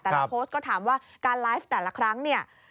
โพสต์ก็ถามว่าการไลฟ์แต่ละครั้งเนี่ย